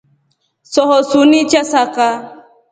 Sohosuni chasaka.